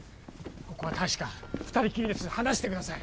ここは大使館二人きりです話してください